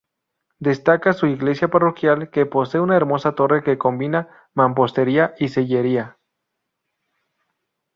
Destaca su iglesia parroquial, que posee una hermosa torre que combina mampostería y sillería.